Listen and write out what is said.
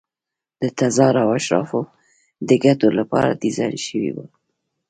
د تزار او اشرافو د ګټو لپاره ډیزاین شوي وو.